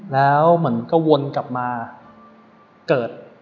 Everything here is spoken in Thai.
แล้วเหมือนก็วนกลับมาเกิด